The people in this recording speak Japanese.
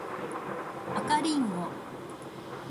赤リンゴ